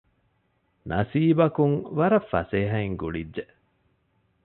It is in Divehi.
ނަސީބަކުން ވަރަށް ފަސޭހައިން ގުޅިއްޖެ